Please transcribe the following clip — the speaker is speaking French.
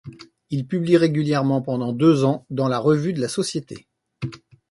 Il publie régulièrement pendant deux ans dans la revue de la Société.